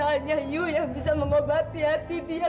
hanya yu yang bisa mengobati hati dia